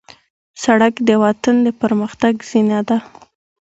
سړک د وطن د پرمختګ زینه ده.